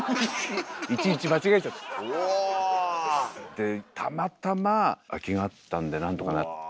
でたまたま空きがあったんで何とかなって。